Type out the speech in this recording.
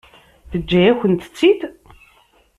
Teǧǧa-yakent-tt-id?